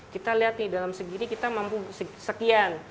kita lihat nih dalam segini kita mampu sekian